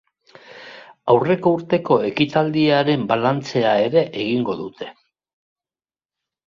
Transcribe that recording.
Aurreko urteko ekitaldiaren balantzea ere egingo dute.